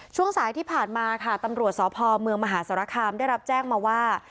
ช่วงสายที่ผ่านมาค่ะตำรวจสพเมืองมหาสารคามได้รับแจ้งมาว่า